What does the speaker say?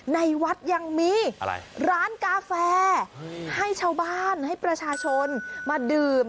ในวัดยังมีร้านกาแฟให้ชาวบ้านให้ประชาชนมาดื่ม